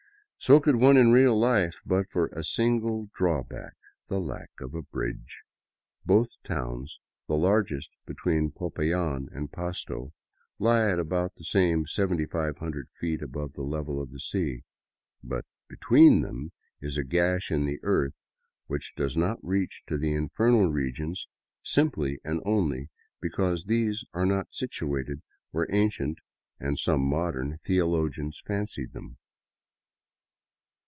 So could one in real life but for a single drawback, — the lack of a bridge. Both towns, the largest between Popayan and Pasto, lie at about the same 7500 feet above the level of the sea ; but between them is a gash in the earth which does not reach to the infernal regions simply and only because these are not situated where ancient — and some modern — theologians fancied them.